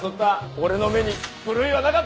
俺の目に狂いはなかった！